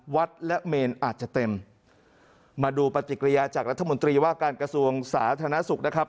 วัดและเมนอาจจะเต็มมาดูปฏิกิริยาจากรัฐมนตรีว่าการกระทรวงสาธารณสุขนะครับ